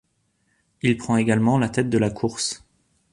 Il prend également la tête de la course.